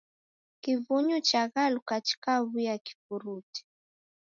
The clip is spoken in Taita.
Kivunyu chaghaluka chikaw'uya kifurute